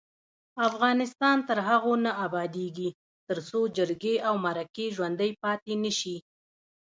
افغانستان تر هغو نه ابادیږي، ترڅو جرګې او مرکې ژوڼدۍ پاتې نشي.